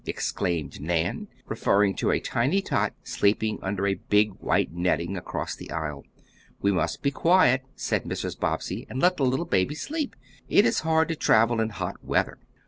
exclaimed Nan, referring to a tiny tot sleeping under a big white netting, across the aisle. "We must be quiet," said Mrs. Bobbsey, "and let the little baby sleep. It is hard to travel in hot weather."